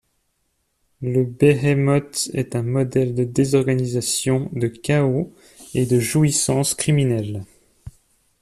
Le Béhémoth est un modèle de désorganisation, de chaos et de jouissance criminelle.